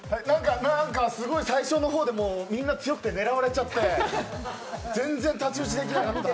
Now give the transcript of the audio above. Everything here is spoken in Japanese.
なんか最初の方でみんな強くて狙われちゃって、全然太刀打ちできなかった。